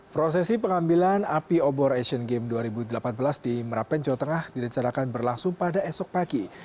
prosesi pengambilan api obor asian games dua ribu delapan belas di merapen jawa tengah direncanakan berlangsung pada esok pagi